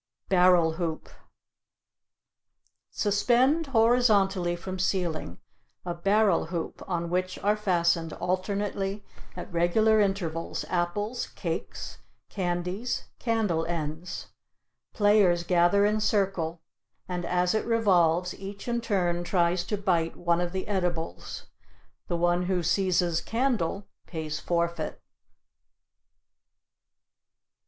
BARREL HOOP Suspend horizontally from ceiling a barrel hoop on which are fastened alternately at regular intervals apples, cakes, candies, candle ends. Players gather in circle and, as it revolves, each in turn tries to bite one of the edibles; the one who seizes candle pays forfeit.